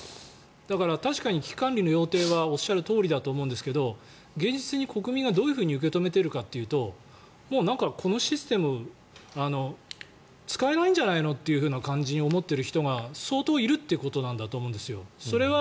だから、確かに危機管理の要諦はおっしゃるとおりだと思うんですが現実に国民がどう受け止めているかというともうなんか、このシステム使えないんじゃないのという感じに思っている人が相当いるということだと思うんです。